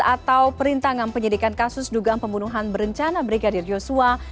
atau perintangan penyidikan kasus dugang pembunuhan berencana brigadir joshua